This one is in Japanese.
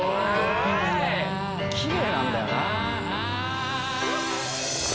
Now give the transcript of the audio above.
きれいなんだよな・